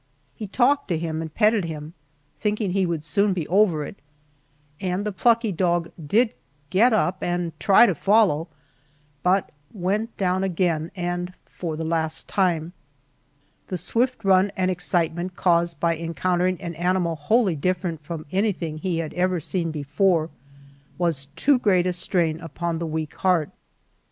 He talked to him and petted him, thinking he would soon be over it and the plucky dog did get up and try to follow, but went down again and for the last time The swift run and excitement caused by encountering an animal wholly different from anything he had ever seen before was too great a strain upon the weak heart.